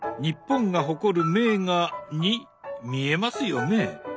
日本が誇る名画に見えますよね？